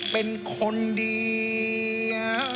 เป็นคนเดียว